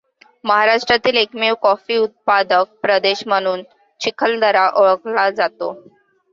महाराष्ट्रातील एकमेव कॉफी उत्पादक प्रदेश म्हणून चिखलदरा ओळखला जातो.